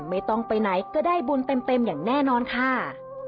ไม่ต้องไปไหนก็ได้บุญเต็มอย่างแน่นอนค่ะ